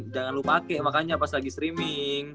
jangan lupa kek makanya pas lagi streaming